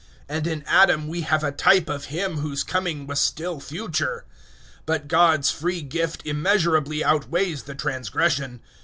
And in Adam we have a type of Him whose coming was still future. 005:015 But God's free gift immeasurably outweighs the transgression.